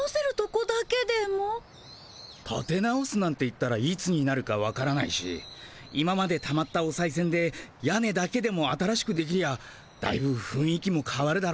たて直すなんて言ったらいつになるかわからないし今までたまったおさいせんで屋根だけでも新しくできりゃだいぶふんい気もかわるだろう。